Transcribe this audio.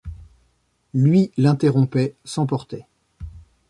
Lui, l’interrompait, s’emportait.